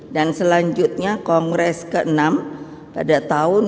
dan selanjutnya kongres ke enam pada tahun dua ribu dua puluh lima